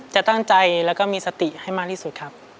จะตั้งใจแล้วก็มีสติให้มากที่สุดครับ